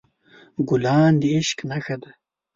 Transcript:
ګلان د عشق نښه ده.